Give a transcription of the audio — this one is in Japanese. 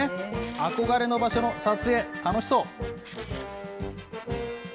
憧れの場所の撮影、楽しそう。